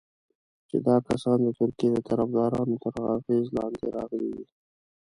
چې دا کسان د ترکیې د طرفدارانو تر اغېز لاندې راغلي دي.